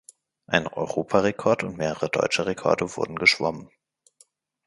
Ein Europarekord und mehrere Deutsche Rekorde wurden geschwommen.